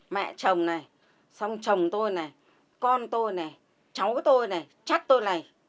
mẹ chồng này xong chồng tôi này con tôi này cháu tôi này chắc tôi này